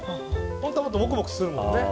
ホントはもっとモクモクするもんね。